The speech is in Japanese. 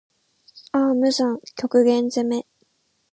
ああ無惨～極限責め～